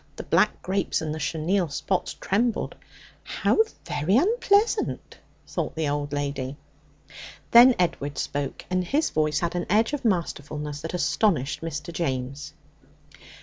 The black grapes and the chenille spots trembled. 'How very unpleasant!' thought the old lady. Then Edward spoke, and his voice had an edge of masterfulness that astonished Mr. James.